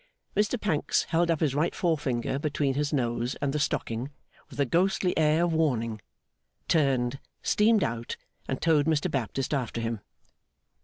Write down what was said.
Mr Pancks held up his right forefinger between his nose and the stocking with a ghostly air of warning, turned, steamed out and towed Mr Baptist after him.